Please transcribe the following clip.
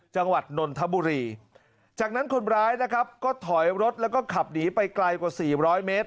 จังหวัดนนทบุรีจากนั้นคนร้ายนะครับก็ถอยรถแล้วก็ขับหนีไปไกลกว่าสี่ร้อยเมตร